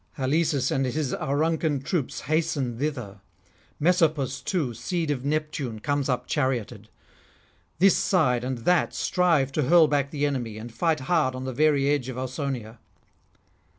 Halesus and his Auruncan troops hasten thither; Messapus too, seed of Neptune, comes up charioted. This side and that strive to hurl back the enemy, and fight hard on the very edge of Ausonia.